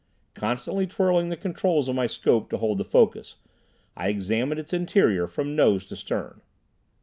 Constantly twirling the controls of my scope to hold the focus, I examined its interior from nose to stern.